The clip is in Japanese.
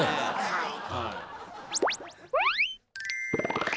はい。